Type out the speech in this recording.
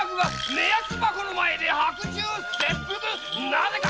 なぜか？